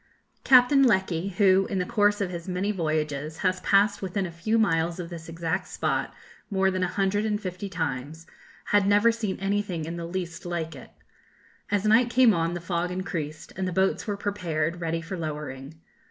Captain Lecky, who, in the course of his many voyages, has passed within a few miles of this exact spot more than a hundred and fifty times, had never seen anything in the least like it. As night came on the fog increased, and the boats were prepared ready for lowering.